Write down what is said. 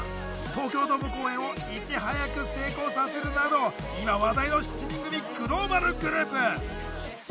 東京ドーム公演をいち早く成功させるなど今話題の７人組グローバルグループ。